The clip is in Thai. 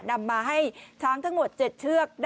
นำมาให้ช้างทั้งหมด๗เชือก